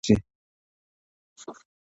ښکلې لکه ښاخ د شګوفې پر مځکه ګرځي